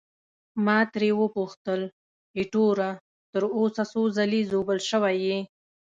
ما ترې وپوښتل: ایټوره، تر اوسه څو ځلي ژوبل شوی یې؟